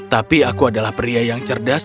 tapi aku adalah pria yang cerdas